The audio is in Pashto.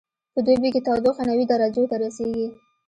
په دوبي کې تودوخه نوي درجو ته رسیږي